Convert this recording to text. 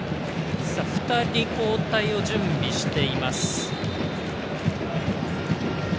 ２人、交代を準備しています。